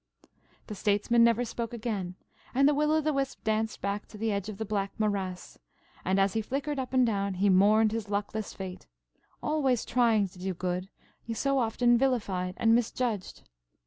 The Statesman never spoke again, and the Will o'the Wisp danced back to the edge of the black morass; and as he flickered up and down, he mourned his luckless fate–always trying to do good–so often vilified and misjudged.